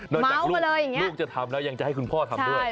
จากลูกลูกจะทำแล้วยังจะให้คุณพ่อทำด้วย